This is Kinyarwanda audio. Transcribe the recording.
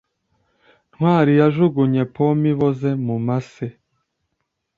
ntwali yajugunye pome iboze mumase